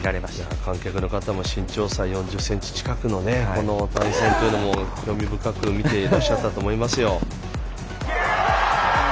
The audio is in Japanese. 観客の方も身長差、４０ｃｍ近くのこの対戦というのも興味深く見ていたと思いますよ。